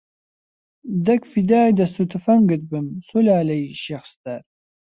دەک فیدای دەست و تفەنگت بم سولالەی شێخ ستار